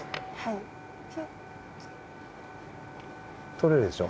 とれるでしょう。